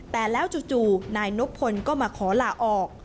แต่แล้วจู่นายนบพลก็มาขอลาออก